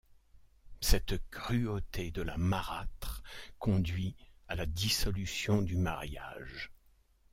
Cette cruauté de la marâtre conduit à la dissolution du mariage.